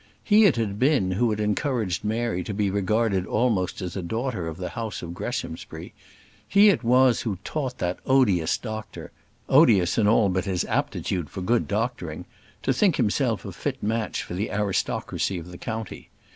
He it had been who had encouraged Mary to be regarded almost as a daughter of the house of Greshamsbury; he it was who taught that odious doctor odious in all but his aptitude for good doctoring to think himself a fit match for the aristocracy of the county.